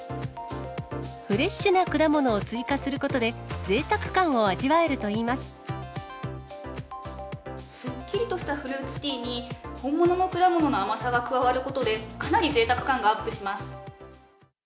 フレッシュな果物を追加することで、すっきりとしたフルーツティーに、本物の果物の甘さが加わることで、かなりぜいたく感がアップします。